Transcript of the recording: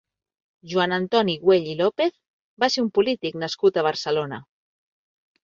Joan Antoni Güell i López va ser un polític nascut a Barcelona.